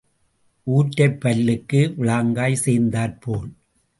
ஊற்றைப் பல்லுக்கு விளாங்காய் சேர்ந்தாற் போல்.